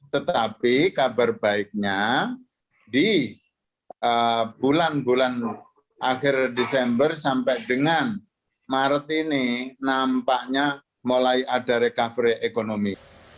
tetapi kabar baiknya di bulan bulan akhir desember sampai dengan maret ini nampaknya mulai ada recovery ekonomi